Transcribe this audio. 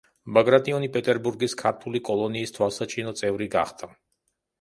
ბაგრატიონი პეტერბურგის ქართული კოლონიის თვალსაჩინო წევრი გახდა.